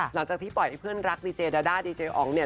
หลังจากที่ปล่อยให้เพื่อนรักดีเจดาด้าดีเจอองเนี่ย